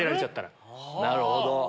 なるほど。